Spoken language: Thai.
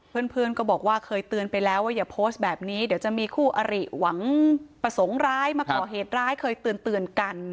เพื่อนก็บอกว่าเคยเตือนไปแล้วว่าอย่าโพสต์แบบนี้เดี๋ยวจะมีคู่อริหวังประสงค์ร้ายมาก่อเหตุร้ายเคยเตือนกัน